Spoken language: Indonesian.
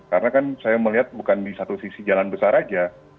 karena kan saya melihat bukan di satu sisi jalan besar saja